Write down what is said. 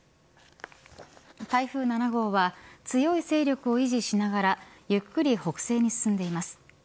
台風７号は強い勢力を維持しながらゆっくり北西に進んでいます。